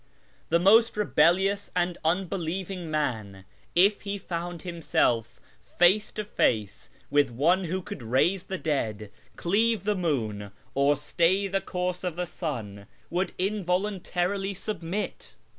The most rebellious and unljelievini,' man, if he found himself face to face with one who could raise the dead, cleave the moon, or stay the course of the sun, would involuntarily submit.